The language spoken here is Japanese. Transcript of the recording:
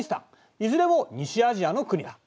いずれも西アジアの国だ。